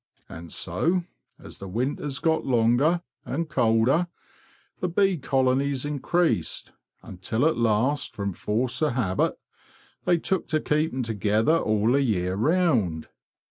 And so, as the winters got longer and colder, the bee colonies increased, until at last, from force of habit, they took to keeping together all the year round.